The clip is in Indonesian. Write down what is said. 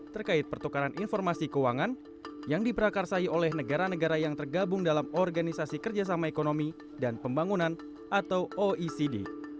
terkait pertukaran informasi keuangan yang diperakarsai oleh negara negara yang tergabung dalam organisasi kerjasama ekonomi dan pembangunan atau oecd